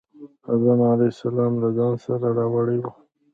آدم علیه السلام له ځان سره راوړی و.